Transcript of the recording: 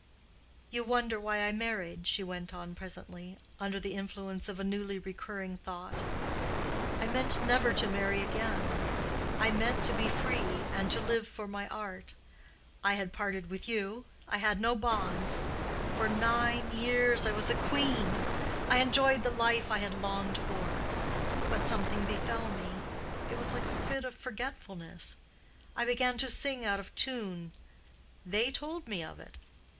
"You wonder why I married," she went on presently, under the influence of a newly recurring thought. "I meant never to marry again. I meant to be free and to live for my art. I had parted with you. I had no bonds. For nine years I was a queen. I enjoyed the life I had longed for. But something befell me. It was like a fit of forgetfulness. I began to sing out of tune. They told me of it.